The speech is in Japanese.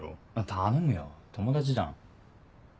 頼むよ友達じゃん。